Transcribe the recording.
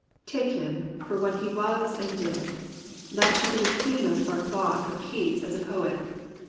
•••«•••• "Take him for what he was and did" — that should be the key note of our thought of Keats as a poet.